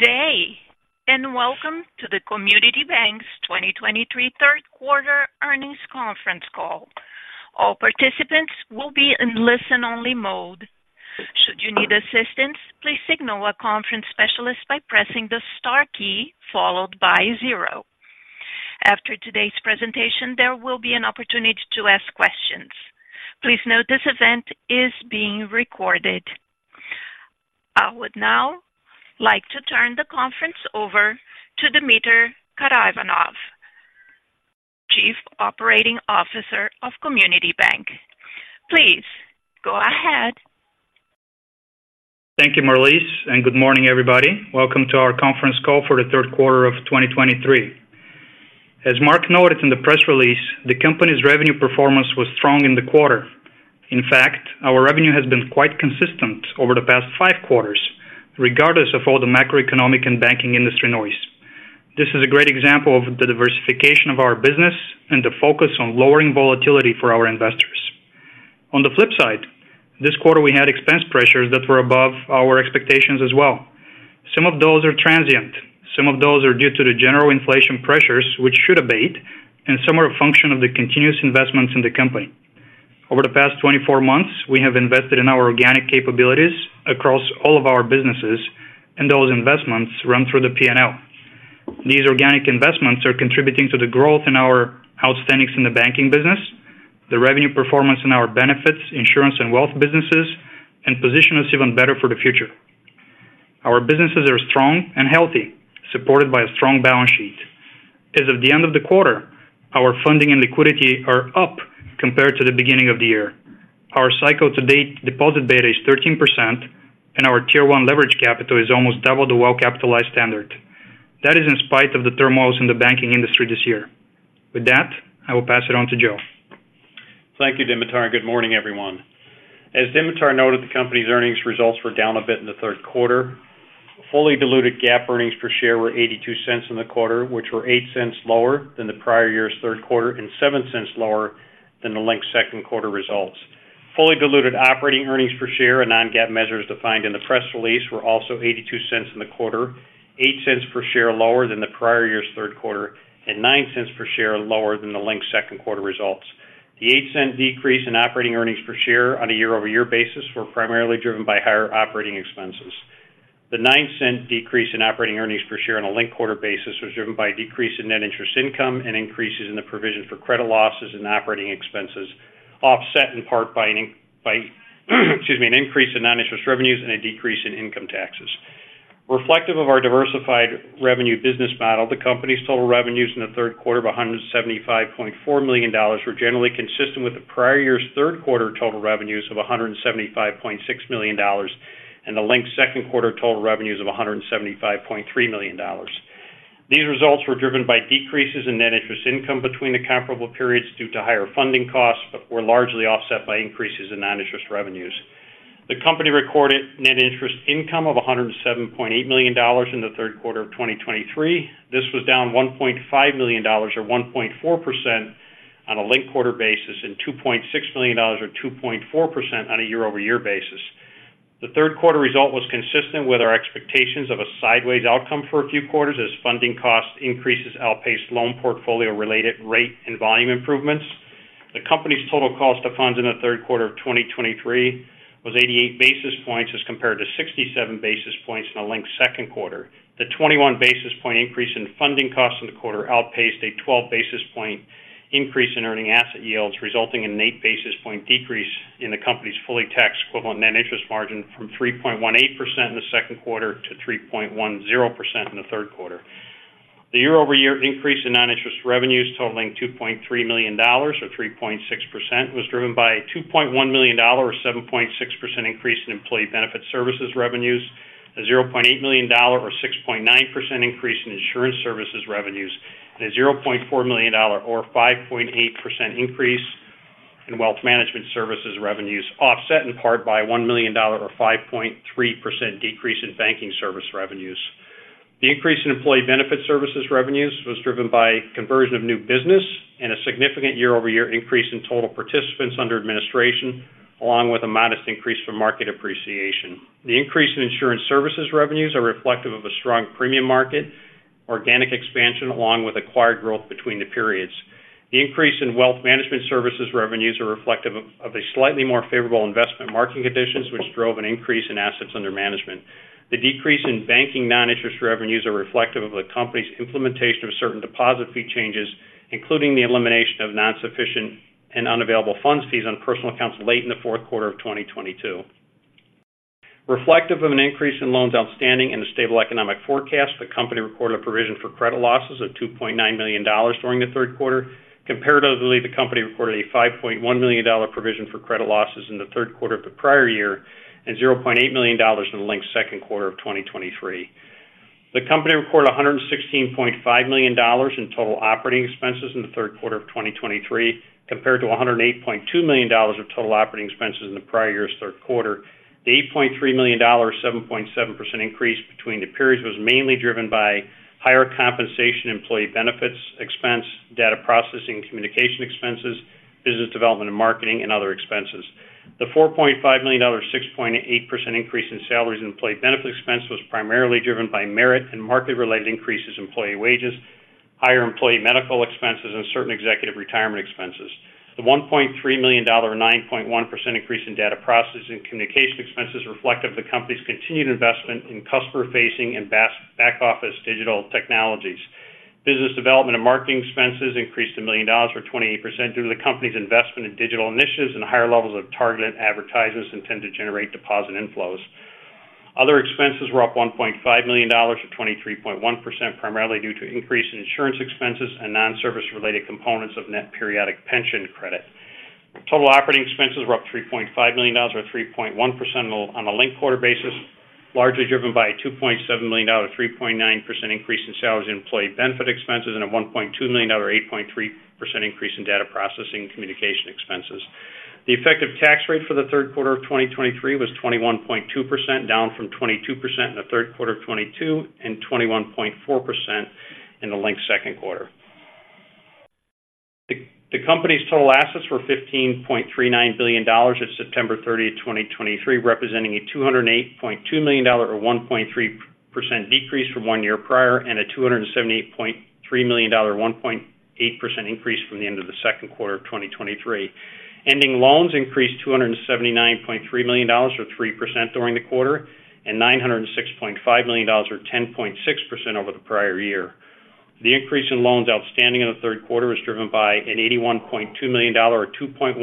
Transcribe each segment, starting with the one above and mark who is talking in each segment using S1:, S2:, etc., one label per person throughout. S1: Good day, and welcome to the Community Bank's 2023 third quarter earnings conference call. All participants will be in listen-only mode. Should you need assistance, please signal a conference specialist by pressing the Star key followed by zero. After today's presentation, there will be an opportunity to ask questions. Please note this event is being recorded. I would now like to turn the conference over to Dimitar Karaivanov, Chief Operating Officer of Community Bank. Please, go ahead.
S2: Thank you, Marlise, and good morning, everybody. Welcome to our conference call for the third quarter of 2023. As Mark noted in the press release, the company's revenue performance was strong in the quarter. In fact, our revenue has been quite consistent over the past 5 quarters, regardless of all the macroeconomic and banking industry noise. This is a great example of the diversification of our business and the focus on lowering volatility for our investors. On the flip side, this quarter we had expense pressures that were above our expectations as well. Some of those are transient, some of those are due to the general inflation pressures, which should abate, and some are a function of the continuous investments in the company. Over the past 24 months, we have invested in our organic capabilities across all of our businesses, and those investments run through the P&L. These organic investments are contributing to the growth in our outstandings in the banking business, the revenue performance in our benefits, insurance and wealth businesses, and position us even better for the future. Our businesses are strong and healthy, supported by a strong balance sheet. As of the end of the quarter, our funding and liquidity are up compared to the beginning of the year. Our cycle to date deposit beta is 13%, and our Tier 1 leverage capital is almost double the well-capitalized standard. That is in spite of the turmoil in the banking industry this year. With that, I will pass it on to Joe.
S3: Thank you, Dimitar, good morning, everyone. As Dimitar noted, the company's earnings results were down a bit in the third quarter. Fully diluted GAAP earnings per share were $0.82 in the quarter, which were $0.08 lower than the prior year's third quarter and $0.07 lower than the linked second quarter results. Fully diluted operating earnings per share and non-GAAP measures defined in the press release were also $0.82 in the quarter, $0.08 per share lower than the prior year's third quarter and $0.09 per share lower than the linked second quarter results. The 8-cent decrease in operating earnings per share on a year-over-year basis were primarily driven by higher operating expenses. The $0.09 decrease in operating earnings per share on a linked quarter basis was driven by a decrease in net interest income and increases in the provision for credit losses and operating expenses, offset in part by, excuse me, an increase in non-interest revenues and a decrease in income taxes. Reflective of our diversified revenue business model, the company's total revenues in the third quarter of $175.4 million were generally consistent with the prior year's third quarter total revenues of $175.6 million, and the linked second quarter total revenues of $175.3 million. These results were driven by decreases in net interest income between the comparable periods due to higher funding costs, but were largely offset by increases in non-interest revenues. The company recorded net interest income of $107.8 million in the third quarter of 2023. This was down $1.5 million, or 1.4% on a linked quarter basis, and $2.6 million or 2.4% on a year-over-year basis. The third quarter result was consistent with our expectations of a sideways outcome for a few quarters as funding cost increases outpaced loan portfolio-related rate and volume improvements. The company's total cost of funds in the third quarter of 2023 was 88 basis points, as compared to 67 basis points in the linked second quarter. The 21 basis point increase in funding costs in the quarter outpaced a 12 basis point increase in earning asset yields, resulting in an 8 basis point decrease in the company's fully tax equivalent net interest margin from 3.18% in the second quarter to 3.10% in the third quarter. The year-over-year increase in non-interest revenues totaling $2.3 million, or 3.6%, was driven by a $2.1 million or 7.6% increase in employee benefit services revenues, a $0.8 million or 6.9% increase in insurance services revenues, and a $0.4 million or 5.8% increase in wealth management services revenues, offset in part by $1 million or 5.3% decrease in banking service revenues. The increase in employee benefit services revenues was driven by conversion of new business and a significant year-over-year increase in total participants under administration, along with a modest increase from market appreciation. The increase in insurance services revenues are reflective of a strong premium market, organic expansion, along with acquired growth between the periods. The increase in wealth management services revenues are reflective of a slightly more favorable investment market conditions, which drove an increase in assets under management. The decrease in banking non-interest revenues are reflective of the company's implementation of certain deposit fee changes, including the elimination of non-sufficient and unavailable funds fees on personal accounts late in the fourth quarter of 2022. Reflective of an increase in loans outstanding and a stable economic forecast, the company reported a provision for credit losses of $2.9 million during the third quarter. Comparatively, the company reported a $5.1 million provision for credit losses in the third quarter of the prior year and $0.8 million in the linked second quarter of 2023. The company reported $116.5 million in total operating expenses in the third quarter of 2023, compared to $108.2 million of total operating expenses in the prior year's third quarter. The $8.3 million, or 7.7% increase between the periods, was mainly driven by higher compensation employee benefits, expense, data processing, communication expenses, business development and marketing, and other expenses.... The $4.5 million, 6.8% increase in salaries and employee benefit expense was primarily driven by merit and market-related increases in employee wages, higher employee medical expenses, and certain executive retirement expenses. The $1.3 million or 9.1% increase in data processing and communication expenses reflective of the company's continued investment in customer-facing and back office digital technologies. Business development and marketing expenses increased $1 million or 28% due to the company's investment in digital initiatives and higher levels of targeted advertisers intended to generate deposit inflows. Other expenses were up $1.5 million, or 23.1%, primarily due to increase in insurance expenses and non-service related components of net periodic pension credit. Total operating expenses were up $3.5 million, or 3.1% on a linked quarter basis, largely driven by a $2.7 million, 3.9% increase in salaries and employee benefit expenses, and a $1.2 million, 8.3% increase in data processing communication expenses. The effective tax rate for the third quarter of 2023 was 21.2%, down from 22% in the third quarter of 2022, and 21.4% in the linked second quarter. The company's total assets were $15.39 billion at September 30, 2023, representing a $208.2 million or 1.3% decrease from one year prior, and a $278.3 million, 1.8% increase from the end of the second quarter of 2023. Ending loans increased $279.3 million, or 3% during the quarter, and $906.5 million, or 10.6% over the prior year. The increase in loans outstanding in the third quarter was driven by an $81.2 million or 2.1%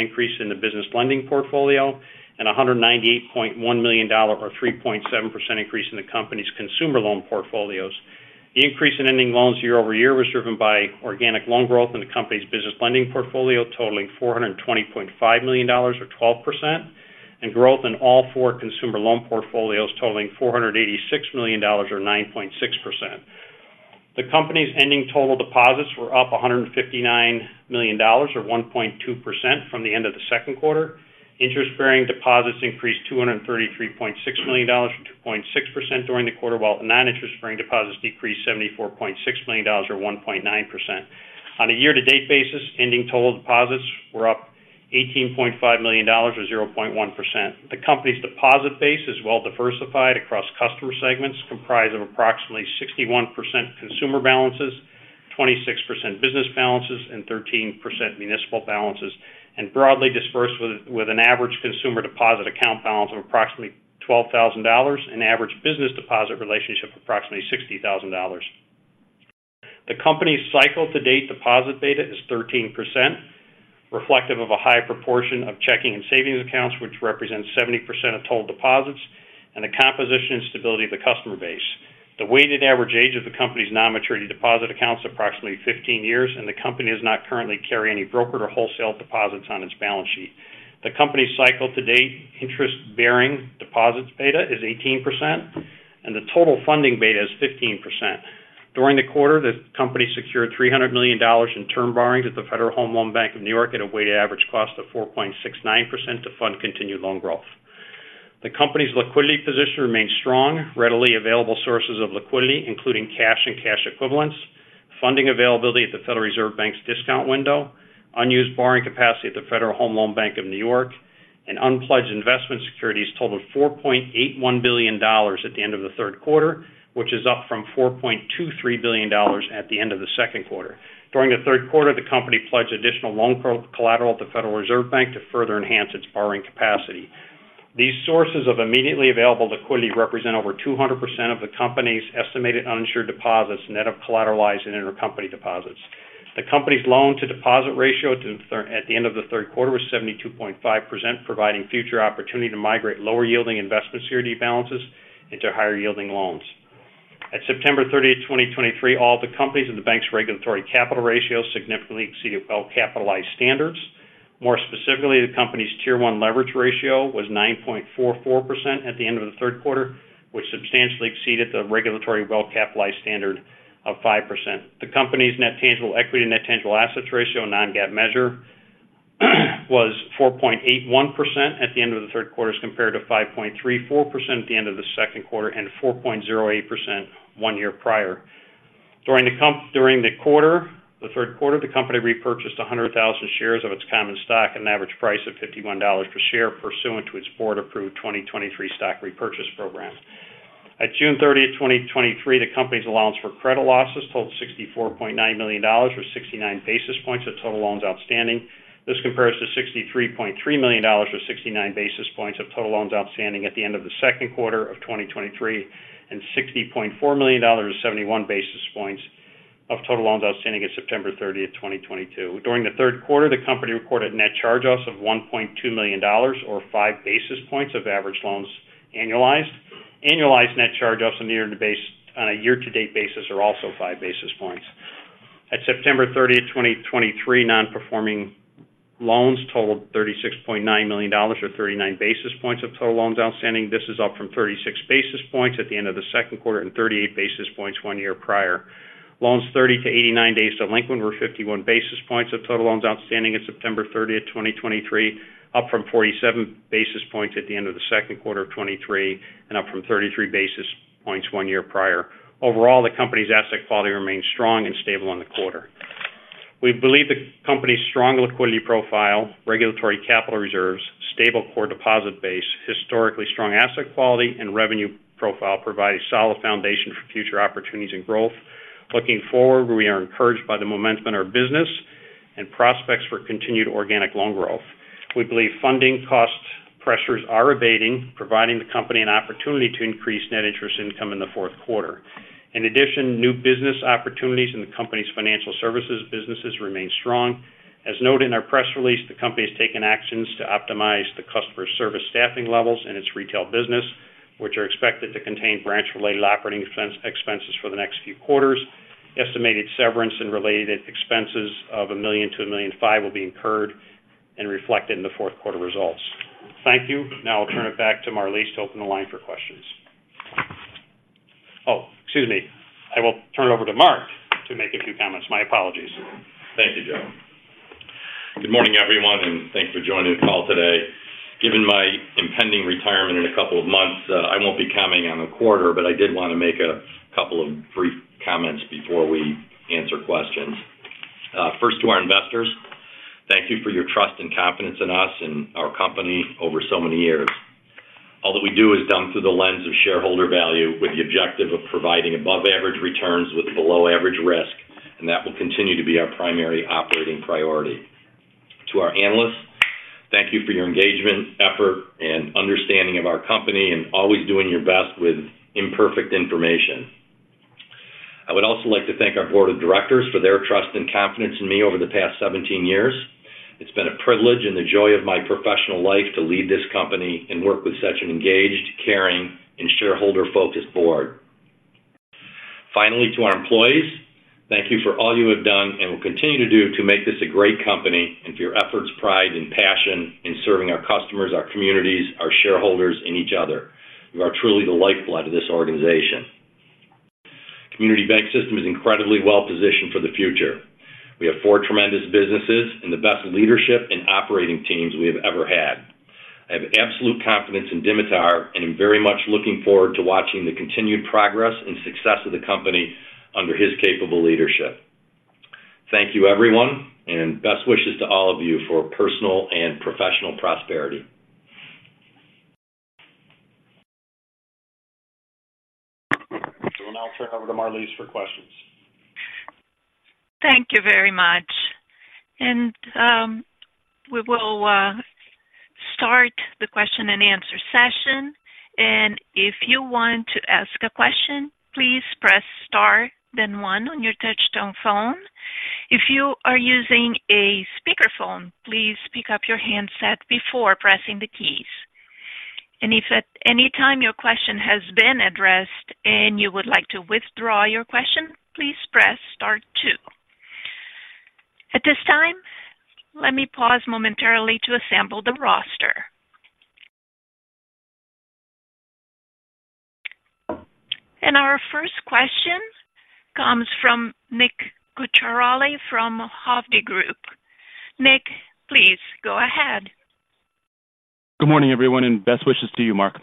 S3: increase in the business lending portfolio, and a $198.1 million or 3.7% increase in the company's consumer loan portfolios. The increase in ending loans year-over-year was driven by organic loan growth in the company's business lending portfolio, totaling $420.5 million, or 12%, and growth in all four consumer loan portfolios, totaling $486 million or 9.6%. The company's ending total deposits were up $159 million, or 1.2% from the end of the second quarter. Interest-bearing deposits increased $233.6 million from 2.6% during the quarter, while non-interest-bearing deposits decreased $74.6 million, or 1.9%. On a year-to-date basis, ending total deposits were up $18.5 million, or 0.1%. The company's deposit base is well diversified across customer segments, comprised of approximately 61% consumer balances, 26% business balances, and 13% municipal balances, and broadly dispersed with an average consumer deposit account balance of approximately $12,000 and average business deposit relationship approximately $60,000. The company's cycle to date deposit beta is 13%, reflective of a high proportion of checking and savings accounts, which represents 70% of total deposits and the composition and stability of the customer base. The weighted average age of the company's non-maturity deposit account is approximately 15 years, and the company does not currently carry any brokered or wholesale deposits on its balance sheet. The company's cycle to date interest-bearing deposits beta is 18%, and the total funding beta is 15%. During the quarter, the company secured $300 million in term borrowings at the Federal Home Loan Bank of New York at a weighted average cost of 4.69% to fund continued loan growth. The company's liquidity position remains strong. Readily available sources of liquidity, including cash and cash equivalents, funding availability at the Federal Reserve Bank's discount window, unused borrowing capacity at the Federal Home Loan Bank of New York, and unpledged investment securities totaled $4.81 billion at the end of the third quarter, which is up from $4.23 billion at the end of the second quarter. During the third quarter, the company pledged additional loan collateral at the Federal Reserve Bank to further enhance its borrowing capacity. These sources of immediately available liquidity represent over 200% of the company's estimated uninsured deposits, net of collateralized and intercompany deposits. The company's loan to deposit ratio at the end of the third quarter was 72.5%, providing future opportunity to migrate lower yielding investment security balances into higher yielding loans. At September 30, 2023, all the companies and the bank's regulatory capital ratios significantly exceeded well-capitalized standards. More specifically, the company's Tier 1 leverage ratio was 9.44% at the end of the third quarter, which substantially exceeded the regulatory well-capitalized standard of 5%. The company's net tangible equity and net tangible assets ratio, a non-GAAP measure, was 4.81% at the end of the third quarter as compared to 5.34% at the end of the second quarter and 4.08% one year prior. During the quarter, the third quarter, the company repurchased 100,000 shares of its common stock at an average price of $51 per share, pursuant to its board-approved 2023 stock repurchase program. At June 30, 2023, the company's allowance for credit losses totaled $64.9 million, or 69 basis points of total loans outstanding. This compares to $63.3 million or 69 basis points of total loans outstanding at the end of the second quarter of 2023, and $60.4 million or 71 basis points of total loans outstanding at September 30, 2022. During the third quarter, the company recorded net charge-offs of $1.2 million, or 5 basis points of average loans annualized. Annualized net charge-offs on a year-to-date basis are also 5 basis points. At September 30, 2023, non-performing loans totaled $36.9 million or 39 basis points of total loans outstanding. This is up from 36 basis points at the end of the second quarter and 38 basis points one year prior. Loans 30 to 89 days delinquent were 51 basis points of total loans outstanding at September 30, 2023, up from 47 basis points at the end of the second quarter of 2023, and up from 33 basis points one year prior. Overall, the company's asset quality remains strong and stable in the quarter.... We believe the company's strong liquidity profile, regulatory capital reserves, stable core deposit base, historically strong asset quality, and revenue profile provide a solid foundation for future opportunities and growth. Looking forward, we are encouraged by the momentum in our business and prospects for continued organic loan growth. We believe funding cost pressures are abating, providing the company an opportunity to increase net interest income in the fourth quarter. In addition, new business opportunities in the company's financial services businesses remain strong. As noted in our press release, the company has taken actions to optimize the customer service staffing levels in its retail business, which are expected to contain branch-related operating expenses for the next few quarters. Estimated severance and related expenses of $1 million-$1.5 million will be incurred and reflected in the fourth quarter results. Thank you. Now I'll turn it back to Marlise to open the line for questions. Oh, excuse me. I will turn it over to Mark to make a few comments. My apologies.
S4: Thank you, Joe. Good morning, everyone, and thanks for joining the call today. Given my impending retirement in a couple of months, I won't be coming on the quarter, but I did want to make a couple of brief comments before we answer questions. First, to our investors, thank you for your trust and confidence in us and our company over so many years. All that we do is done through the lens of shareholder value, with the objective of providing above average returns with below average risk, and that will continue to be our primary operating priority. To our analysts, thank you for your engagement, effort, and understanding of our company, and always doing your best with imperfect information. I would also like to thank our board of directors for their trust and confidence in me over the past 17 years. It's been a privilege and the joy of my professional life to lead this company and work with such an engaged, caring, and shareholder-focused board. Finally, to our employees, thank you for all you have done and will continue to do to make this a great company, and for your efforts, pride and passion in serving our customers, our communities, our shareholders, and each other. You are truly the lifeblood of this organization. Community Bank System is incredibly well-positioned for the future. We have four tremendous businesses and the best leadership and operating teams we have ever had. I have absolute confidence in Dimitar, and I'm very much looking forward to watching the continued progress and success of the company under his capable leadership. Thank you, everyone, and best wishes to all of you for personal and professional prosperity. We'll now turn it over to Marlise for questions.
S1: Thank you very much. We will start the question-and-answer session. If you want to ask a question, please press star, then one on your touchtone phone. If you are using a speakerphone, please pick up your handset before pressing the keys. If at any time your question has been addressed and you would like to withdraw your question, please press star two. At this time, let me pause momentarily to assemble the roster. Our first question comes from Nick Cucharale from Hovde Group. Nick, please go ahead.
S5: Good morning, everyone, and best wishes to you, Mark.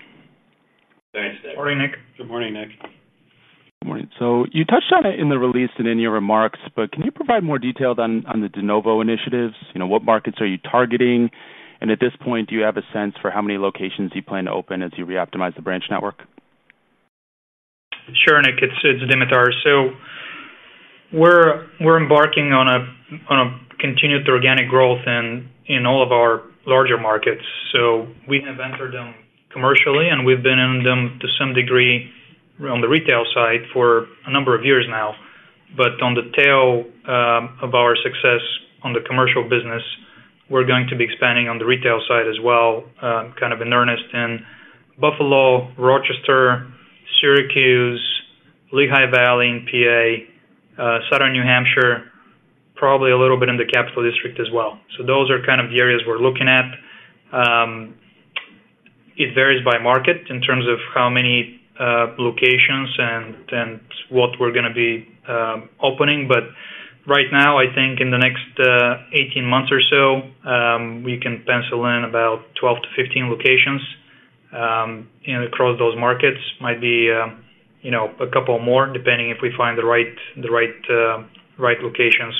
S4: Thanks, Nick.
S3: Morning, Nick.
S4: Good morning, Nick.
S5: Good morning. So you touched on it in the release and in your remarks, but can you provide more detail on the de novo initiatives? You know, what markets are you targeting? And at this point, do you have a sense for how many locations you plan to open as you reoptimize the branch network?
S2: Sure, Nick, it's Dimitar. So we're embarking on a continued organic growth in all of our larger markets. So we have entered them commercially, and we've been in them to some degree on the retail side for a number of years now. But on the tail of our success on the commercial business, we're going to be expanding on the retail side as well, kind of in earnest in Buffalo, Rochester, Syracuse, Lehigh Valley in PA, Southern New Hampshire, probably a little bit in the Capital District as well. So those are kind of the areas we're looking at. It varies by market in terms of how many locations and what we're going to be opening, but right now, I think in the next 18 months or so, we can pencil in about 12-15 locations, you know, across those markets. Might be, you know, a couple more, depending if we find the right locations.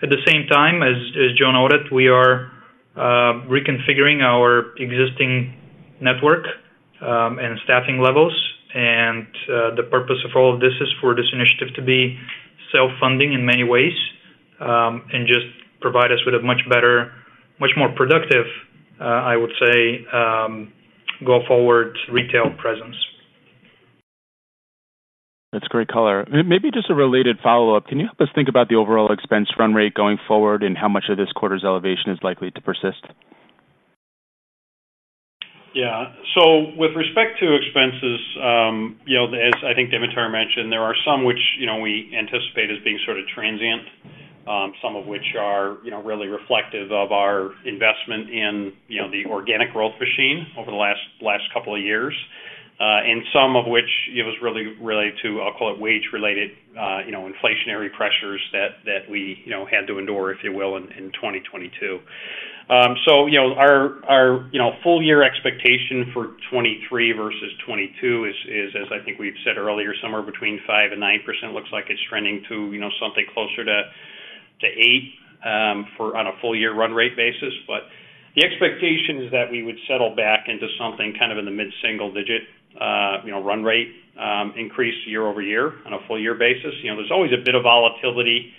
S2: At the same time, as Joe noted, we are reconfiguring our existing network and staffing levels. The purpose of all of this is for this initiative to be self-funding in many ways and just provide us with a much better, much more productive, I would say, go-forward retail presence.
S5: That's great color. Maybe just a related follow-up. Can you help us think about the overall expense run rate going forward and how much of this quarter's elevation is likely to persist?
S4: Yeah. So with respect to expenses, you know, as I think Dimitar mentioned, there are some which, you know, we anticipate as being sort of transient, some of which are, you know, really reflective of our investment in, you know, the organic growth machine over the last couple of years. And some of which it was really related to, I'll call it, wage-related, you know, inflationary pressures that we, you know, had to endure, if you will, in 2022.
S3: So, you know, our full year expectation for 2023 versus 2022 is, as I think we've said earlier, somewhere between 5%-9%. Looks like it's trending to, you know, something closer to 8% for on a full year run rate basis. But the expectation is that we would settle back into something kind of in the mid-single digit, you know, run rate increase year-over-year on a full year basis. You know, there's always a bit of volatility,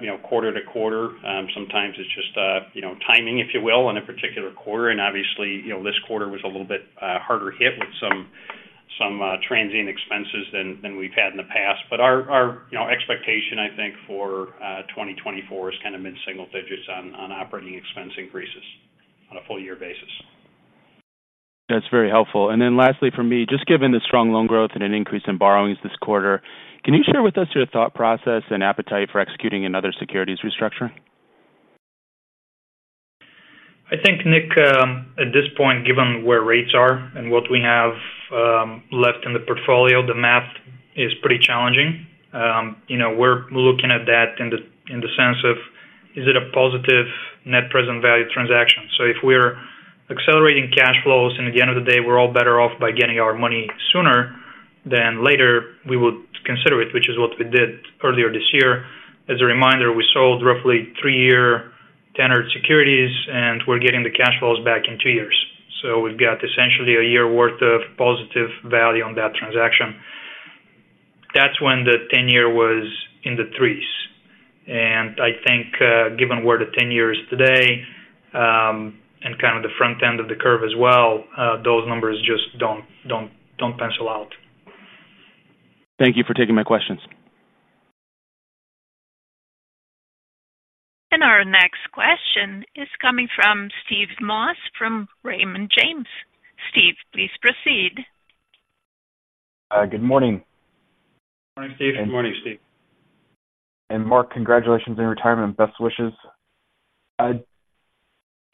S3: you know, quarter-to-quarter. Sometimes it's just, you know, timing, if you will, in a particular quarter. Obviously, you know, this quarter was a little bit harder hit with some transient expenses than we've had in the past. Our expectation, I think, for 2024 is kind of mid-single digits on operating expense increases on a full year basis.
S5: That's very helpful. And then lastly, for me, just given the strong loan growth and an increase in borrowings this quarter, can you share with us your thought process and appetite for executing another securities restructuring?
S2: I think, Nick, at this point, given where rates are and what we have left in the portfolio, the math is pretty challenging. You know, we're looking at that in the, in the sense of, is it a positive net present value transaction? So if we're accelerating cash flows, and at the end of the day, we're all better off by getting our money sooner than later, we would consider it, which is what we did earlier this year. As a reminder, we sold roughly three-year tenured securities, and we're getting the cash flows back in two years. So we've got essentially a year worth of positive value on that transaction. That's when the ten-year was in the threes. I think, given where the 10-year is today, and kind of the front end of the curve as well, those numbers just don't pencil out.
S5: Thank you for taking my questions.
S1: Our next question is coming from Steve Moss from Raymond James. Steve, please proceed.
S6: Good morning.
S3: Good morning, Steve.
S2: Good morning, Steve.
S6: Mark, congratulations on your retirement, and best wishes. I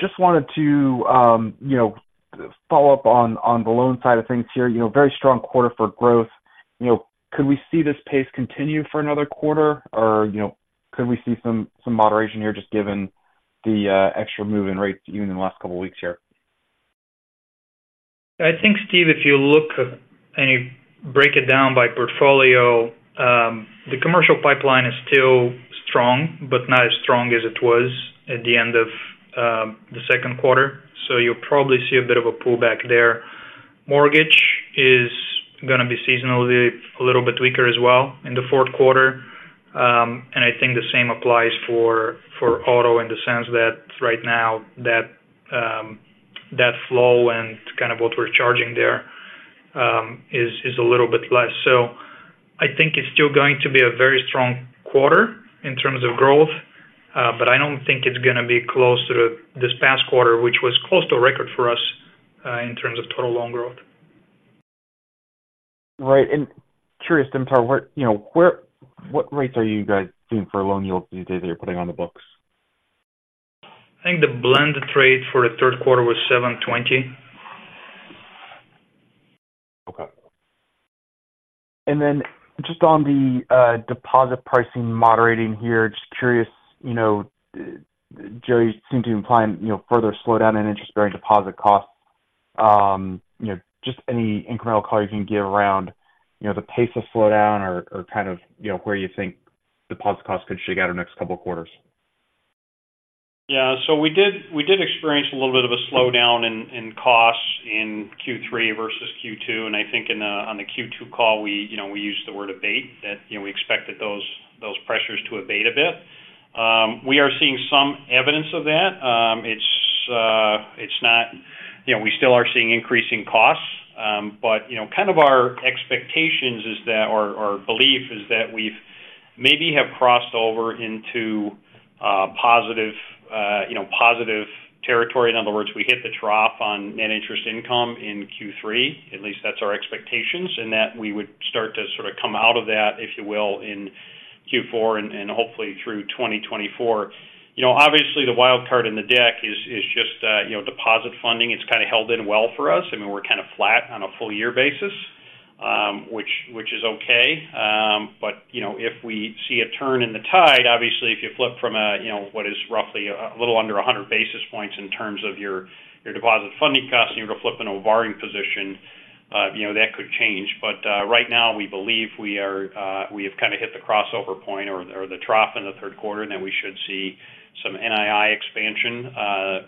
S6: just wanted to you know, follow up on the loan side of things here. You know, very strong quarter for growth. You know, could we see this pace continue for another quarter? Or, you know, could we see some moderation here, just given the extra move in rates even in the last couple of weeks here?
S2: I think, Steve, if you look and you break it down by portfolio, the commercial pipeline is still strong, but not as strong as it was at the end of the second quarter. So you'll probably see a bit of a pullback there. Mortgage is gonna be seasonally a little bit weaker as well in the fourth quarter. And I think the same applies for auto in the sense that right now that flow and kind of what we're charging there is a little bit less. So I think it's still going to be a very strong quarter in terms of growth, but I don't think it's going to be close to this past quarter, which was close to a record for us in terms of total loan growth.
S6: Right. And curious, Dimitar, you know, what rates are you guys seeing for loan yields these days that you're putting on the books?
S2: I think the blended rate for the third quarter was 7.20.
S6: Okay. And then just on the deposit pricing moderating here, just curious, you know, Jeo seemed to imply, you know, further slowdown in interest-bearing deposit costs. You know, just any incremental color you can give around, you know, the pace of slowdown or kind of, you know, where you think deposit costs could shake out in the next couple of quarters.
S3: Yeah. So we did experience a little bit of a slowdown in costs in Q3 versus Q2, and I think on the Q2 call, we, you know, we used the word abate, that, you know, we expected those pressures to abate a bit. We are seeing some evidence of that. It's not— you know, we still are seeing increasing costs. But, you know, kind of our expectations is that, or belief is that we've maybe have crossed over into positive, you know, positive territory. In other words, we hit the trough on net interest income in Q3. At least that's our expectations, and that we would start to sort of come out of that, if you will, in Q4 and hopefully through 2024. You know, obviously, the wild card in the deck is just you know, deposit funding. It's kind of held in well for us. I mean, we're kind of flat on a full year basis, which is okay. But, you know, if we see a turn in the tide, obviously, if you flip from a, you know, what is roughly a little under 100 basis points in terms of your deposit funding costs, and you're going to flip in a borrowing position, you know, that could change. But right now we believe we are, we have kind of hit the crossover point or the trough in the third quarter, and then we should see some NII expansion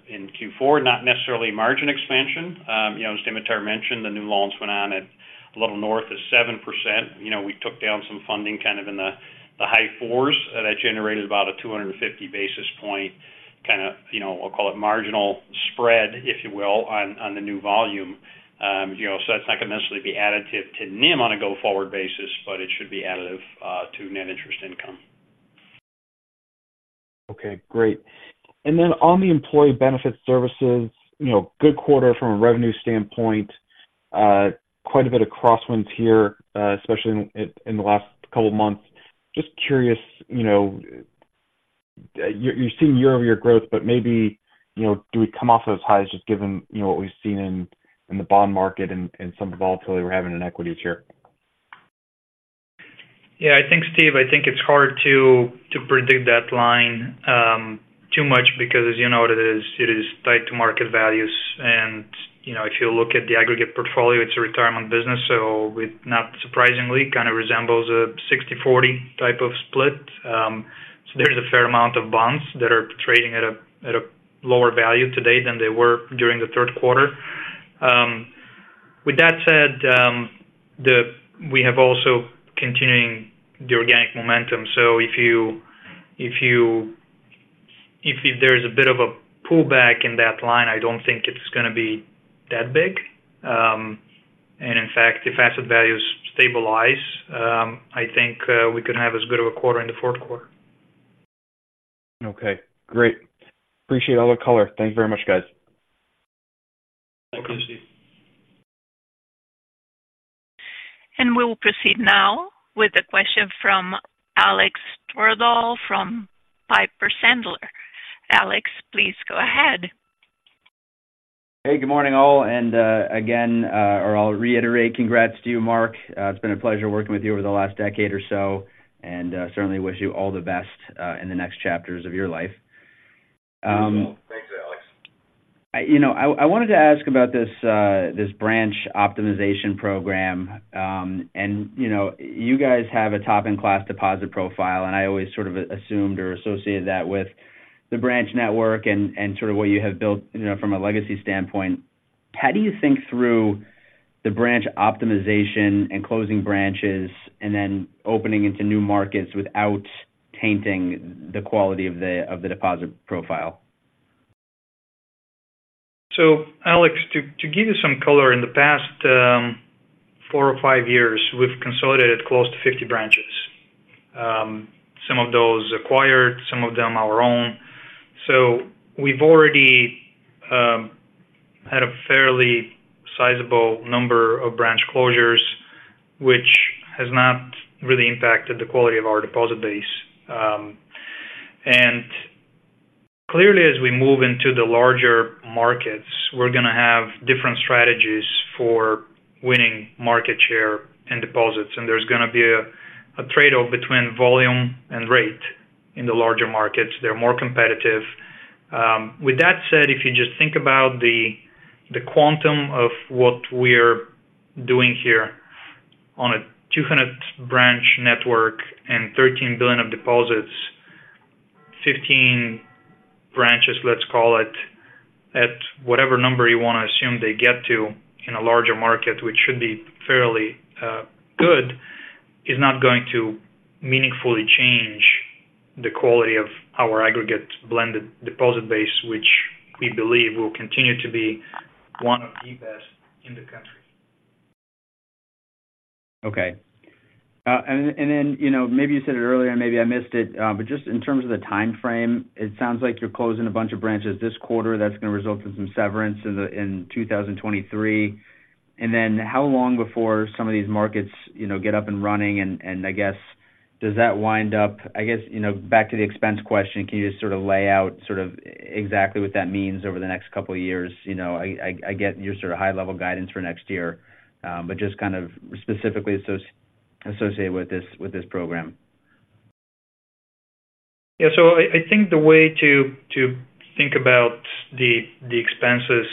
S3: in Q4, not necessarily margin expansion. You know, as Dimitar mentioned, the new loans went on at a little north of 7%. You know, we took down some funding kind of in the high fours. That generated about a 250 basis points, kind of, you know, I'll call it marginal spread, if you will, on the new volume. You know, so that's not going to necessarily be additive to NIM on a go-forward basis, but it should be additive to net interest income.
S6: Okay, great. Then on the employee benefit services, you know, good quarter from a revenue standpoint, quite a bit of crosswinds here, especially in the last couple of months. Just curious, you know, you're seeing year-over-year growth, but maybe, you know, do we come off those highs just given, you know, what we've seen in the bond market and some of the volatility we're having in equities here?
S2: Yeah, I think, Steve, I think it's hard to predict that line too much because as you know, it is tied to market values. And, you know, if you look at the aggregate portfolio, it's a retirement business, so it, not surprisingly, kind of resembles a 60/40 type of split. So there's a fair amount of bonds that are trading at a lower value today than they were during the third quarter. With that said, the we have also continuing the organic momentum. So if you, if there's a bit of a pullback in that line, I don't think it's going to be that big. And in fact, if asset values stabilize, I think we could have as good of a quarter in the fourth quarter.
S6: Okay, great. Appreciate all the color. Thank you very much, guys.
S2: Thank you, Steve.
S1: We will proceed now with a question from Alex Twerdahl from Piper Sandler. Alex, please go ahead.
S7: Hey, good morning, all, and, again, or I'll reiterate, congrats to you, Mark. It's been a pleasure working with you over the last decade or so, and, certainly wish you all the best, in the next chapters of your life.
S2: Thanks, Alex.
S7: You know, I wanted to ask about this, this branch optimization program. You know, you guys have a top-in-class deposit profile, and I always sort of assumed or associated that with the branch network and sort of what you have built, you know, from a legacy standpoint. How do you think through the branch optimization and closing branches and then opening into new markets without tainting the quality of the deposit profile?
S2: So, Alex, to give you some color, in the past four or five years, we've consolidated close to 50 branches. Some of those acquired, some of them our own. So we've already had a fairly sizable number of branch closures, which has not really impacted the quality of our deposit base. And clearly, as we move into the larger markets, we're going to have different strategies for winning market share and deposits, and there's going to be a trade-off between volume and rate in the larger markets. They're more competitive. With that said, if you just think about the quantum of what we're doing here on a 200 branch network and $13 billion of deposits, 15 branches, let's call it, at whatever number you want to assume they get to in a larger market, which should be fairly good, is not going to meaningfully change the quality of our aggregate blended deposit base, which we believe will continue to be one of the best in the country.
S7: Okay. And then, you know, maybe you said it earlier, and maybe I missed it, but just in terms of the time frame, it sounds like you're closing a bunch of branches this quarter. That's going to result in some severance in 2023. And then how long before some of these markets, you know, get up and running? And I guess, does that wind up—I guess, you know, back to the expense question, can you just sort of lay out sort of exactly what that means over the next couple of years? You know, I get your sort of high-level guidance for next year, but just kind of specifically associated with this program.
S2: Yeah, so I think the way to think about the expenses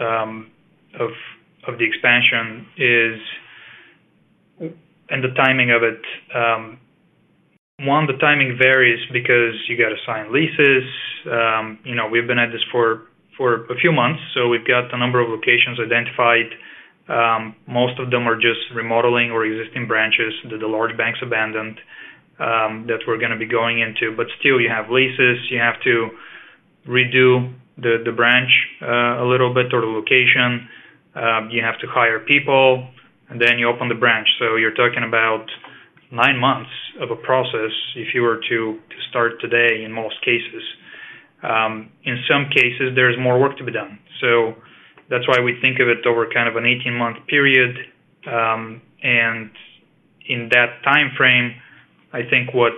S2: of the expansion is and the timing of it. One, the timing varies because you got to sign leases. You know, we've been at this for a few months, so we've got a number of locations identified. Most of them are just remodeling or existing branches that the large banks abandoned that we're going to be going into. But still, you have leases, you have to redo the branch a little bit, or the location, you have to hire people, and then you open the branch. So you're talking about nine months of a process if you were to start today in most cases. In some cases, there's more work to be done. So that's why we think of it over kind of an 18-month period. And in that time frame, I think what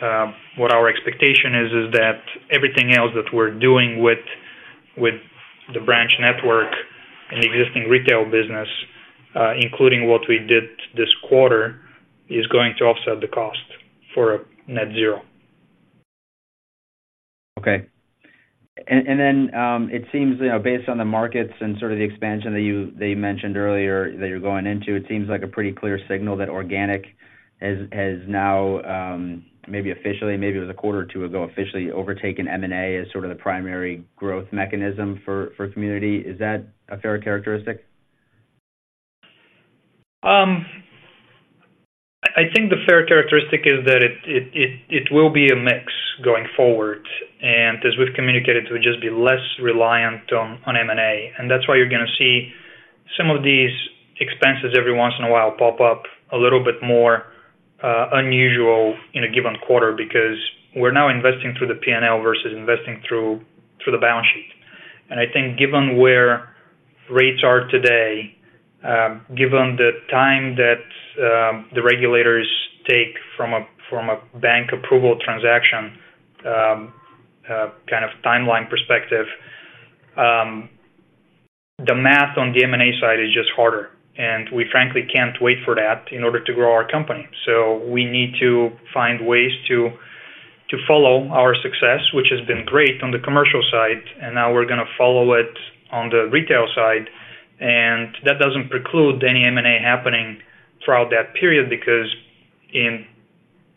S2: our expectation is, is that everything else that we're doing with the branch network and existing retail business, including what we did this quarter, is going to offset the cost for a net zero.
S7: Okay. And then, it seems, you know, based on the markets and sort of the expansion that you mentioned earlier that you're going into, it seems like a pretty clear signal that organic has now, maybe officially, maybe it was a quarter or two ago, officially overtaken M&A as sort of the primary growth mechanism for community. Is that a fair characterization?
S2: I think the fair characteristic is that it will be a mix going forward, and as we've communicated, it would just be less reliant on M&A, and that's why you're going to see some of these expenses every once in a while pop up a little bit more unusual in a given quarter, because we're now investing through the P&L versus investing through the balance sheet. And I think given where rates are today, given the time that the regulators take from a bank approval transaction kind of timeline perspective, the math on the M&A side is just harder, and we frankly can't wait for that in order to grow our company. So we need to find ways to follow our success, which has been great on the commercial side, and now we're going to follow it on the retail side. That doesn't preclude any M&A happening throughout that period, because in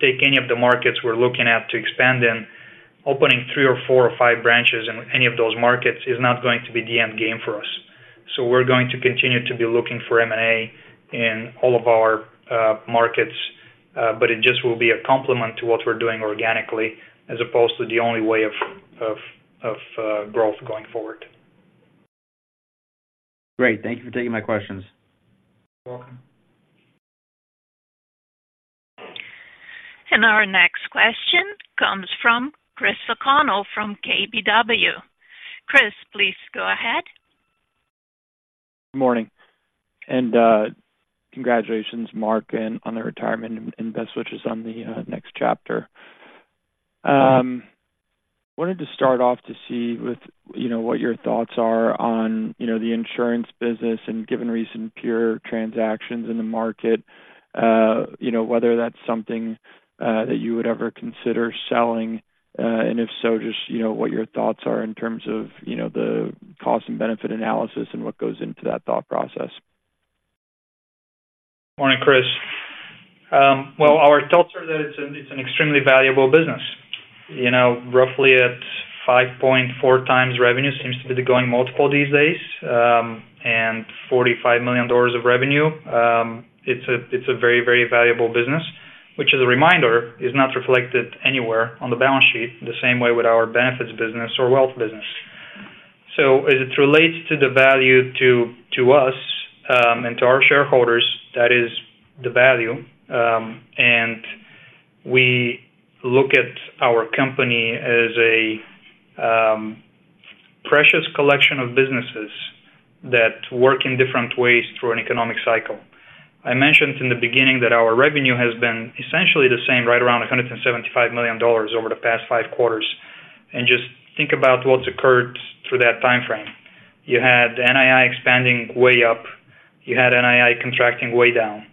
S2: taking any of the markets we're looking at to expand in, opening 3 or 4 or 5 branches in any of those markets is not going to be the end game for us. So we're going to continue to be looking for M&A in all of our markets, but it just will be a complement to what we're doing organically, as opposed to the only way of growth going forward.
S7: Great. Thank you for taking my questions.
S2: You're welcome.
S1: Our next question comes from Chris O'Connell from KBW. Chris, please go ahead.
S8: Good morning, and congratulations, Mark, and on the retirement, and best wishes on the next chapter. Wanted to start off to see with, you know, what your thoughts are on, you know, the insurance business and given recent peer transactions in the market, you know, whether that's something that you would ever consider selling, and if so, just, you know, what your thoughts are in terms of, you know, the cost and benefit analysis and what goes into that thought process.
S2: Morning, Chris. Well, our thoughts are that it's an extremely valuable business. You know, roughly at 5.4x revenue seems to be the going multiple these days, and $45 million of revenue, it's a very, very valuable business, which, as a reminder, is not reflected anywhere on the balance sheet, the same way with our benefits business or wealth business. So as it relates to the value to us and to our shareholders, that is the value. And we look at our company as a precious collection of businesses that work in different ways through an economic cycle. I mentioned in the beginning that our revenue has been essentially the same, right around $175 million over the past 5 quarters. Just think about what's occurred through that time frame. You had NII expanding way up, you had NII contracting way down,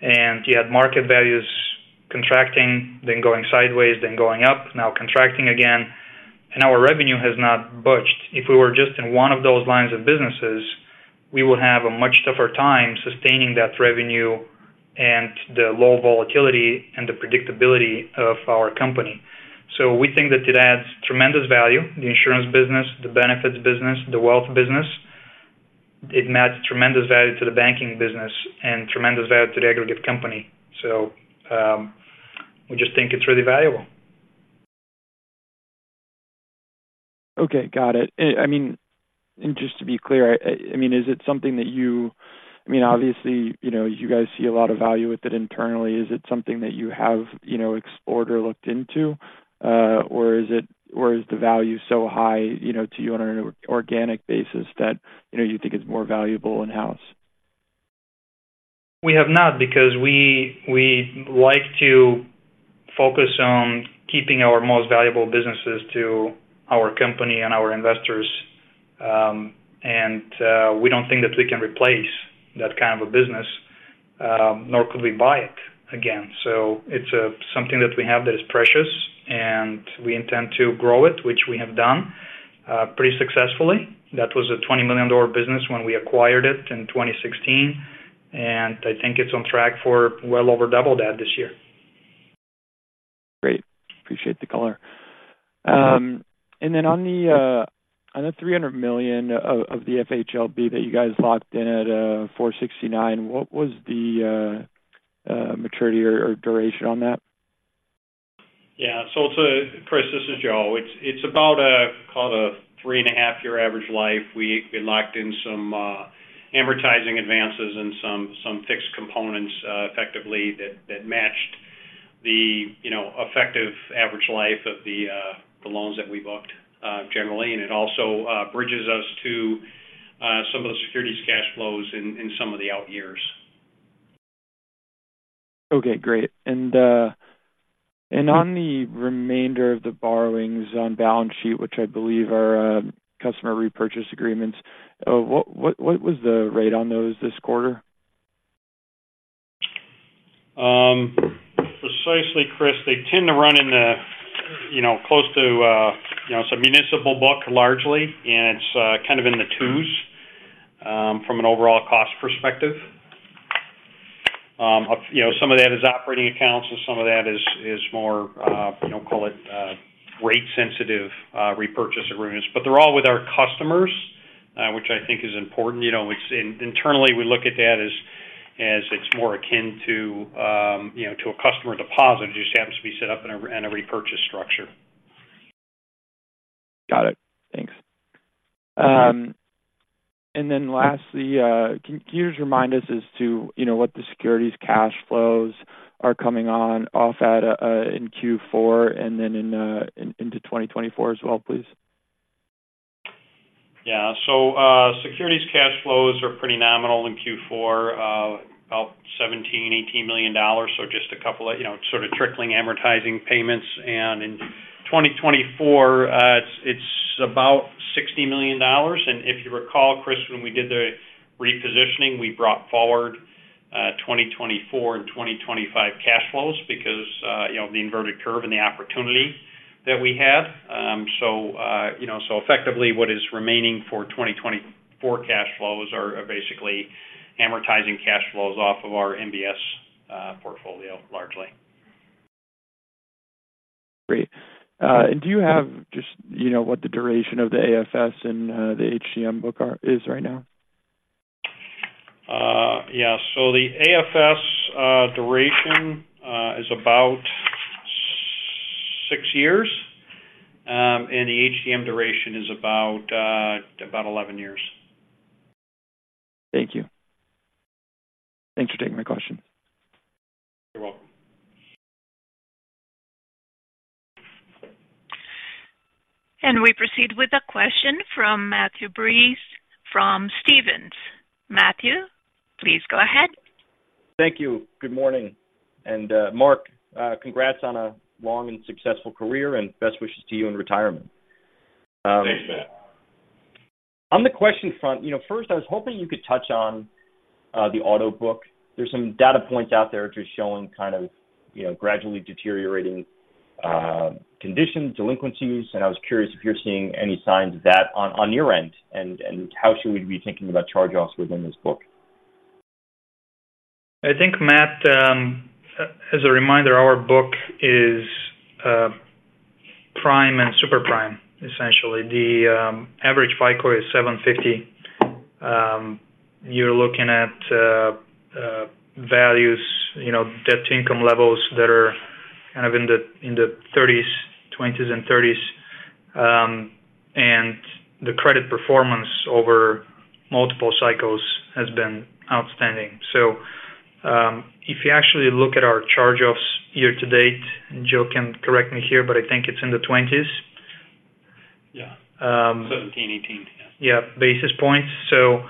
S2: and you had market values contracting, then going sideways, then going up, now contracting again, and our revenue has not budged. If we were just in one of those lines of businesses, we would have a much tougher time sustaining that revenue and the low volatility and the predictability of our company. So we think that it adds tremendous value, the insurance business, the benefits business, the wealth business. It adds tremendous value to the banking business and tremendous value to the aggregate company. So, we just think it's really valuable.
S8: Okay, got it. I mean, and just to be clear, I mean, is it something that you—I mean, obviously, you know, you guys see a lot of value with it internally. Is it something that you have, you know, explored or looked into? Or is it—or is the value so high, you know, to you on an organic basis that, you know, you think it's more valuable in-house?
S2: We have not, because we like to focus on keeping our most valuable businesses to our company and our investors. We don't think that we can replace that kind of a business, nor could we buy it again. So it's something that we have that is precious, and we intend to grow it, which we have done pretty successfully. That was a $20 million business when we acquired it in 2016, and I think it's on track for well over double that this year.
S8: Great. Appreciate the color. And then on the $300 million of the FHLB that you guys locked in at 4.69%, what was the maturity or duration on that?
S3: Yeah. So, Chris, this is Joe. It's about a, call it a 3.5-year average life. We locked in some amortizing advances and some fixed components, effectively that matched the, you know, effective average life of the loans that we booked, generally, and it also bridges us to some of the securities cash flows in some of the out years.
S8: Okay, great. And on the remainder of the borrowings on balance sheet, which I believe are customer repurchase agreements, what was the rate on those this quarter?
S3: Precisely, Chris, they tend to run in the, you know, close to, you know, it's a municipal book largely, and it's kind of in the twos, from an overall cost perspective. You know, some of that is operating accounts, and some of that is more, you know, call it rate sensitive repurchase agreements. But they're all with our customers, which I think is important. You know, it's... And internally, we look at that as it's more akin to, you know, to a customer deposit, it just happens to be set up in a repurchase structure.
S8: Got it. Thanks. And then lastly, can you just remind us as to, you know, what the securities cash flows are coming on off at, in Q4 and then into 2024 as well, please?
S3: Yeah. So, securities cash flows are pretty nominal in Q4, about $17-$18 million. So just a couple of, you know, sort of trickling amortizing payments. And in 2024, it's about $60 million. And if you recall, Chris, when we did the repositioning, we brought forward 2024 and 2025 cash flows because, you know, the inverted curve and the opportunity that we had. So, you know, so effectively, what is remaining for 2024 cash flows are basically amortizing cash flows off of our MBS portfolio, largely.
S8: Great. And do you have just, you know, what the duration of the AFS and the HTM book is right now?
S3: Yeah. The AFS duration is about 6 years, and the HTM duration is about 11 years.
S8: Thank you. Thanks for taking my question.
S3: You're welcome.
S1: We proceed with a question from Matthew Breese, from Stephens. Matthew, please go ahead.
S9: Thank you. Good morning. Mark, congrats on a long and successful career, and best wishes to you in retirement.
S3: Thanks, Matt.
S9: On the question front, you know, first, I was hoping you could touch on the auto book. There's some data points out there just showing kind of, you know, gradually deteriorating condition delinquencies, and I was curious if you're seeing any signs of that on your end, and how should we be thinking about charge-offs within this book?
S2: I think, Matt, as a reminder, our book is prime and super prime, essentially. The average FICO is 750. You're looking at values, you know, debt-to-income levels that are kind of in the 20s and 30s. And the credit performance over multiple cycles has been outstanding. So, if you actually look at our charge-offs year to date, and Joe can correct me here, but I think it's in the 20s.
S3: Yeah. Seventeen, eighteen.
S2: Yeah, basis points. So,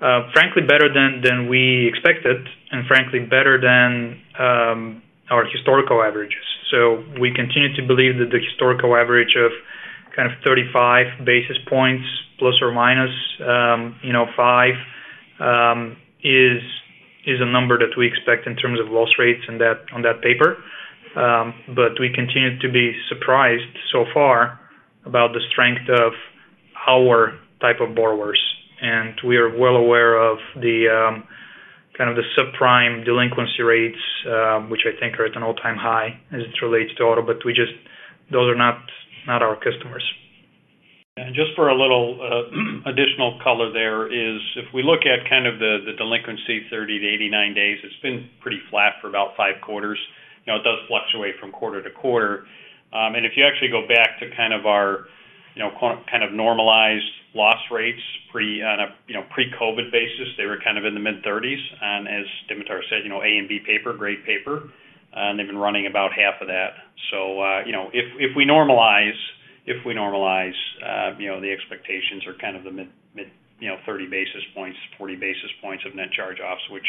S2: frankly, better than we expected and frankly, better than our historical averages. So we continue to believe that the historical average of kind of 35 basis points plus or minus, you know, 5, is a number that we expect in terms of loss rates in that - on that paper. But we continue to be surprised so far about the strength of our type of borrowers. And we are well aware of the kind of the subprime delinquency rates, which I think are at an all-time high as it relates to auto, but we just - those are not our customers.
S3: Just for a little additional color there is, if we look at kind of the delinquency, 30-89 days, it's been pretty flat for about 5 quarters. You know, it does fluctuate from quarter to quarter. And if you actually go back to kind of our, you know, kind of normalized loss rates, pre- on a, you know, pre-COVID basis, they were kind of in the mid-30s. And as Dimitar said, you know, A and B paper, great paper, and they've been running about half of that. So, you know, if we normalize, if we normalize, you know, the expectations are kind of the mid-30 basis points to 40 basis points of net charge-offs, which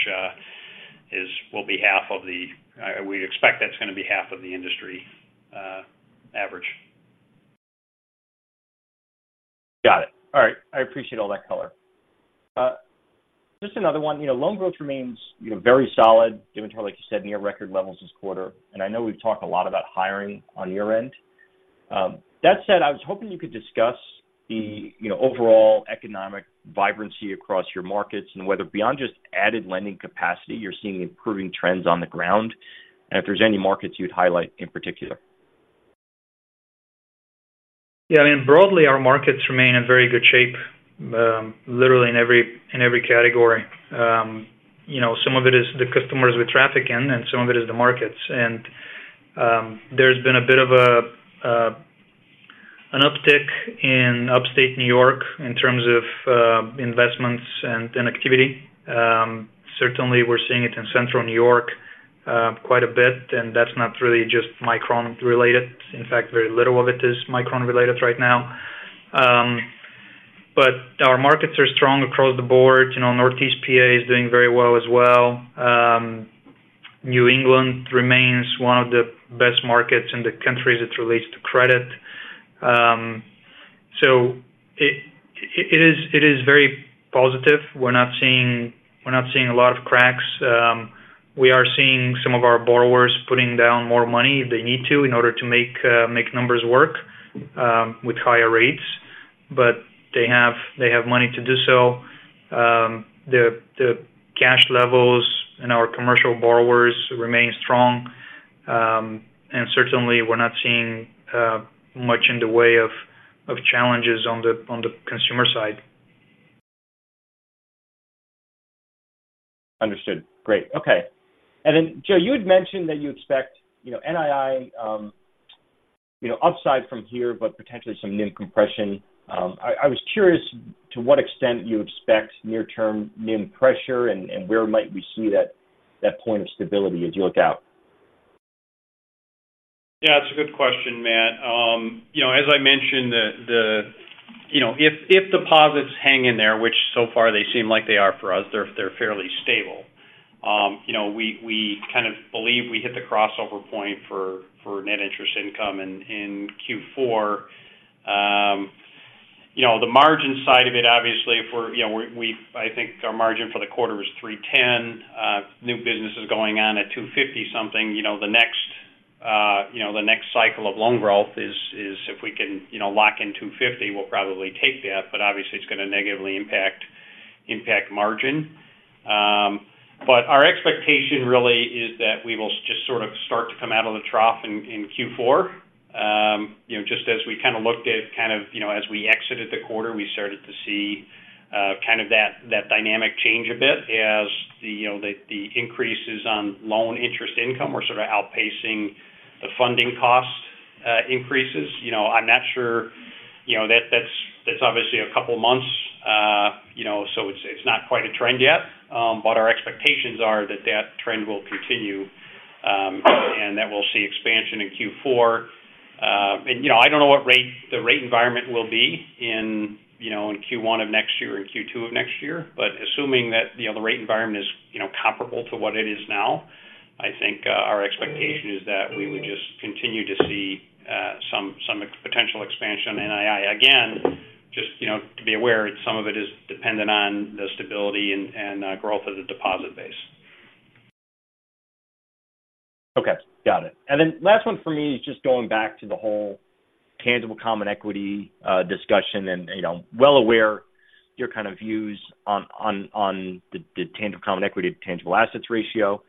S3: is, will be half of the... We'd expect that's gonna be half of the industry average.
S9: Got it. All right. I appreciate all that color. Just another one. You know, loan growth remains, you know, very solid. Dimitar, like you said, near record levels this quarter, and I know we've talked a lot about hiring on your end. That said, I was hoping you could discuss the, you know, overall economic vibrancy across your markets and whether beyond just added lending capacity, you're seeing improving trends on the ground, and if there's any markets you'd highlight in particular.
S2: Yeah, I mean, broadly, our markets remain in very good shape, literally in every, in every category. You know, some of it is the customers we traffic in, and some of it is the markets. And, there's been a bit of a, an uptick in Upstate New York in terms of, investments and, and activity. Certainly, we're seeing it in Central New York, quite a bit, and that's not really just Micron related. In fact, very little of it is Micron related right now. But our markets are strong across the board. You know, Northeast PA is doing very well as well. New England remains one of the best markets in the country as it relates to credit. So it, it is, it is very positive. We're not seeing, we're not seeing a lot of cracks. We are seeing some of our borrowers putting down more money if they need to, in order to make numbers work, with higher rates, but they have money to do so. The cash levels in our commercial borrowers remain strong. And certainly, we're not seeing much in the way of challenges on the consumer side.
S9: Understood. Great. Okay. And then, Joe, you had mentioned that you expect, you know, NII, you know, upside from here, but potentially some NIM compression. I was curious to what extent you expect near-term NIM pressure and where might we see that point of stability as you look out?
S3: Yeah, it's a good question, Matt. You know, as I mentioned, you know, if deposits hang in there, which so far they seem like they are for us, they're fairly stable. You know, we kind of believe we hit the crossover point for net interest income in Q4. You know, the margin side of it, obviously, if we're, you know, I think our margin for the quarter was 3.10. New business is going on at 2.50 something. You know, the next cycle of loan growth is if we can, you know, lock in 2.50, we'll probably take that, but obviously it's going to negatively impact margin. But our expectation really is that we will just sort of start to come out of the trough in Q4. You know, just as we kind of looked at kind of, you know, as we exited the quarter, we started to see kind of that dynamic change a bit as the, you know, the increases on loan interest income were sort of outpacing the funding cost increases. You know, I'm not sure, you know, that's obviously a couple of months, you know, so it's not quite a trend yet. But our expectations are that that trend will continue, and that we'll see expansion in Q4. And, you know, I don't know the rate environment will be in, you know, in Q1 of next year or Q2 of next year, but assuming that, you know, the rate environment is, you know, comparable to what it is now, I think, our expectation is that we would just continue to see, some potential expansion in NII. Again, just, you know, to be aware, some of it is dependent on the stability and growth of the deposit base.
S9: Okay, got it. And then last one for me is just going back to the whole Tangible Common Equity discussion, and, you know, well aware your kind of views on the Tangible Common Equity to tangible assets ratio.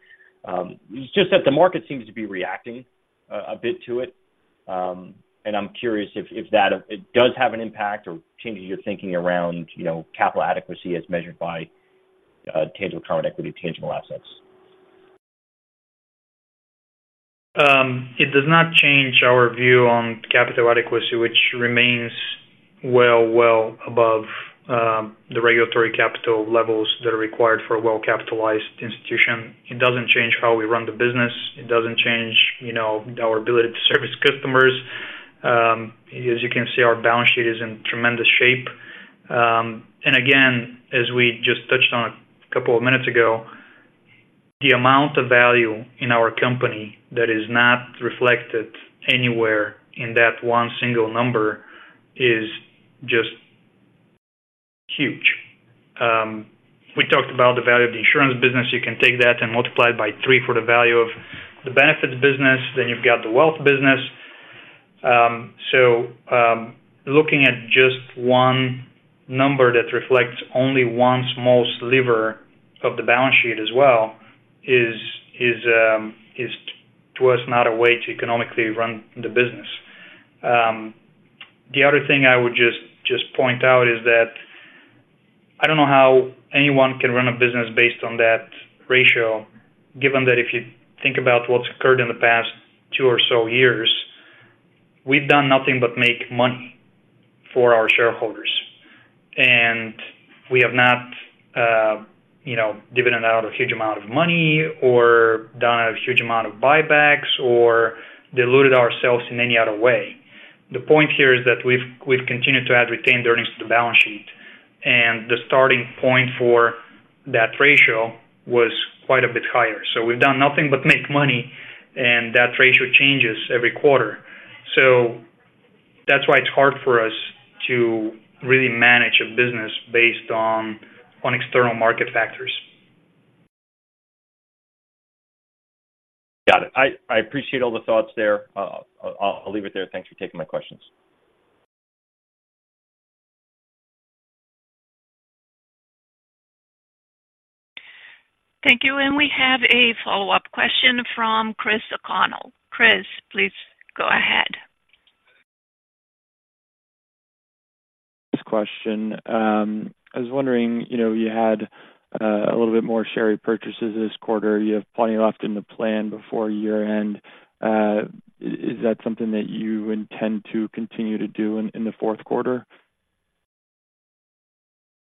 S9: It's just that the market seems to be reacting a bit to it. And I'm curious if that it does have an impact or changes your thinking around, you know, capital adequacy as measured by Tangible Common Equity to tangible assets.
S2: It does not change our view on capital adequacy, which remains well above the regulatory capital levels that are required for a well-capitalized institution. It doesn't change how we run the business. It doesn't change, you know, our ability to service customers. As you can see, our balance sheet is in tremendous shape. And again, as we just touched on a couple of minutes ago, the amount of value in our company that is not reflected anywhere in that one single number is just huge. We talked about the value of the insurance business. You can take that and multiply it by three for the value of the benefits business, then you've got the wealth business. So, looking at just one number that reflects only one small sliver of the balance sheet as well is, to us, not a way to economically run the business. The other thing I would just point out is that I don't know how anyone can run a business based on that ratio, given that if you think about what's occurred in the past two or so years, we've done nothing but make money for our shareholders. And we have not, you know, divvied out a huge amount of money or done a huge amount of buybacks or diluted ourselves in any other way. The point here is that we've continued to add retained earnings to the balance sheet, and the starting point for that ratio was quite a bit higher. We've done nothing but make money, and that ratio changes every quarter. That's why it's hard for us to really manage a business based on, on external market factors.
S9: Got it. I appreciate all the thoughts there. I'll leave it there. Thanks for taking my questions.
S1: Thank you. We have a follow-up question from Chris O'Connell. Chris, please go ahead.
S8: This question. I was wondering, you know, you had a little bit more share repurchases this quarter. You have plenty left in the plan before year-end. Is that something that you intend to continue to do in the fourth quarter?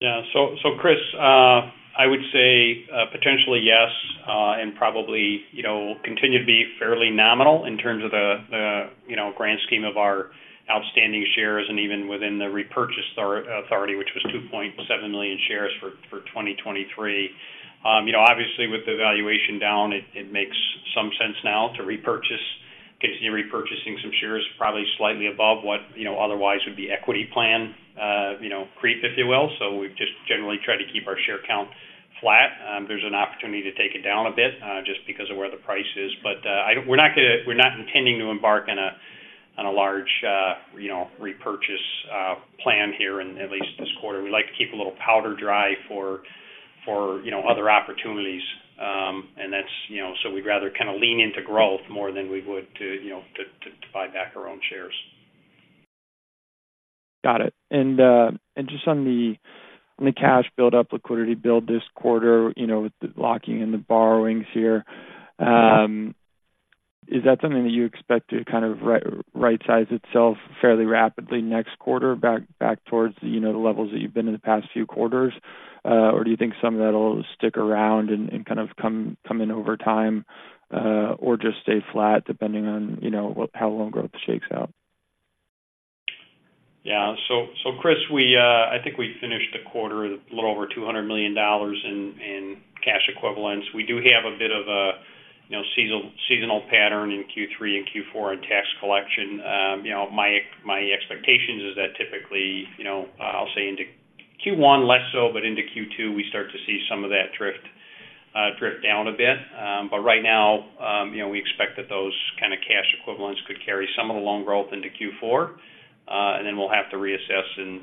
S3: Yeah. So, Chris, I would say potentially yes, and probably, you know, continue to be fairly nominal in terms of the, you know, grand scheme of our outstanding shares and even within the repurchase authority, which was 2.7 million shares for 2023. You know, obviously with the valuation down, it makes some sense now to repurchase. Continue repurchasing some shares, probably slightly above what, you know, otherwise would be equity plan, you know, creep, if you will. So we've just generally tried to keep our share count flat. There's an opportunity to take it down a bit, just because of where the price is. But, I don't, we're not gonna, we're not intending to embark on a large, you know, repurchase plan here in at least this quarter. We like to keep a little powder dry for, you know, other opportunities. And that's, you know, so we'd rather kind of lean into growth more than we would to, you know, buy back our own shares.
S8: Got it. And just on the cash build up, liquidity build this quarter, you know, with the locking in the borrowings here, is that something that you expect to kind of rightsize itself fairly rapidly next quarter, back towards, you know, the levels that you've been in the past few quarters? Or do you think some of that'll stick around and kind of come in over time, or just stay flat, depending on, you know, what, how loan growth shakes out?
S3: Yeah. So, Chris, we, I think we finished the quarter a little over $200 million in cash equivalents. We do have a bit of a, you know, seasonal pattern in Q3 and Q4 on tax collection. You know, my expectations is that typically, you know, I'll say into Q1 less so, but into Q2, we start to see some of that drift down a bit. But right now, you know, we expect that those kind of cash equivalents could carry some of the loan growth into Q4, and then we'll have to reassess in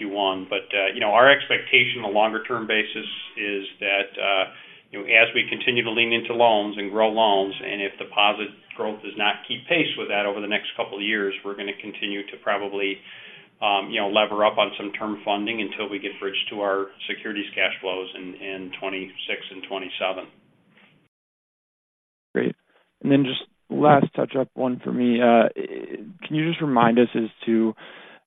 S3: Q1. But, you know, our expectation on a longer-term basis is that, you know, as we continue to lean into loans and grow loans, and if deposit growth does not keep pace with that over the next couple of years, we're gonna continue to probably, you know, lever up on some term funding until we get bridged to our securities cash flows in 2026 and 2027.
S8: Great. And then just last touch-up one for me. Can you just remind us as to.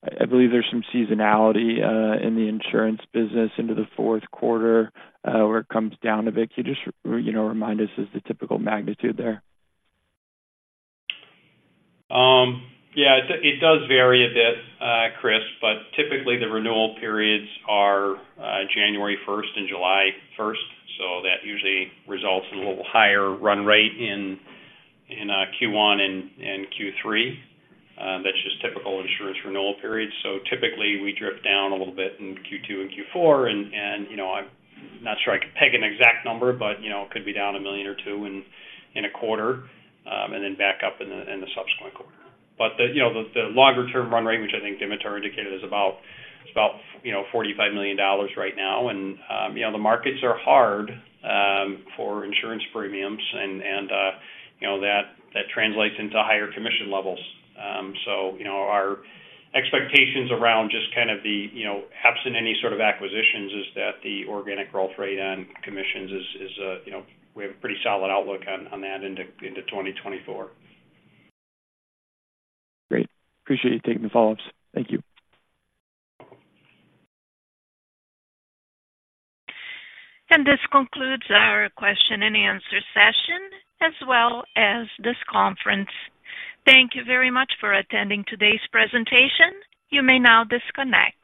S8: I believe there's some seasonality in the insurance business into the fourth quarter, where it comes down a bit. Can you just, you know, remind us as the typical magnitude there?
S3: Yeah, it does vary a bit, Chris, but typically the renewal periods are January first and July first, so that usually results in a little higher run rate in Q1 and Q3. That's just typical insurance renewal periods. So typically, we drift down a little bit in Q2 and Q4, and you know, I'm not sure I could peg an exact number, but you know, it could be down $1 million or $2 million in a quarter, and then back up in the subsequent quarter. But the longer-term run rate, which I think Dimitar indicated, is about $45 million right now. And you know, the markets are hard for insurance premiums, and that translates into higher commission levels. So, you know, our expectations around just kind of the, you know, absent any sort of acquisitions, is that the organic growth rate on commissions is we have a pretty solid outlook on that into 2024.
S8: Great. Appreciate you taking the follow-ups. Thank you.
S1: This concludes our question-and-answer session, as well as this conference. Thank you very much for attending today's presentation. You may now disconnect.